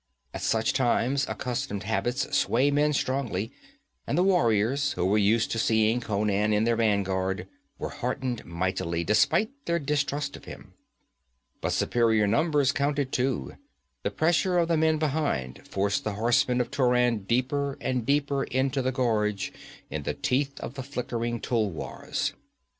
At such times accustomed habits sway men strongly, and the warriors, who were used to seeing Conan in their vanguard, were heartened mightily, despite their distrust of him. But superior numbers counted too. The pressure of the men behind forced the horsemen of Turan deeper and deeper into the gorge, in the teeth of the flickering tulwars.